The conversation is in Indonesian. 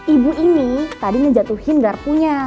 ibu ini tadi ngejatuhin garpunya